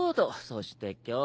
そして今日。